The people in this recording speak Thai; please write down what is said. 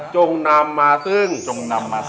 จงนำมาซึ่ง